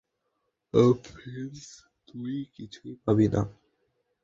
Finch, তুই কিছুই পাবি না।